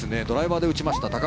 ドライバーで打ちました。